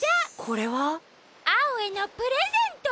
これは？アオへのプレゼント！